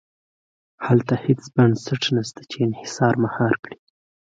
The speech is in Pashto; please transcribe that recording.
هلته هېڅ بنسټ نه شته چې انحصار مهار کړي.